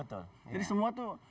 jadi semua tuh